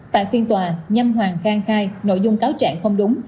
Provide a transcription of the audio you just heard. tại phiên tòa nhâm hoàng khang khai nội dung cáo trạng không đúng